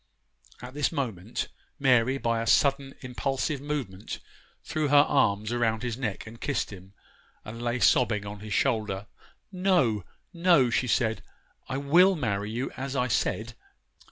At this moment, Mary, by a sudden, impulsive movement, threw her arms around his neck and kissed him, and lay sobbing on his shoulder. 'No, no,' she said, 'I will marry you as I said.